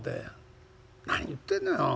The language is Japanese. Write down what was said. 「何言ってんのよ。